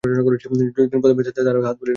যতীন প্রথমেই তাহার হাত তুলিয়া লইয়া নাড়ি দেখিল।